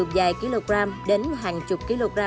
vài kg đến hàng chục kg